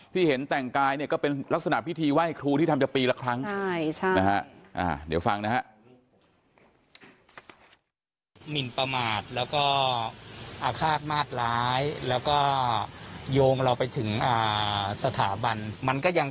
ที่เห็นแต่งกายเนี่ยก็เป็นลักษณะพิธีไหว้ครูที่ทำจะปีละครั้งนะฮะ